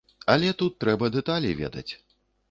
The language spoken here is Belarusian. Але тут трэба дэталі ведаць.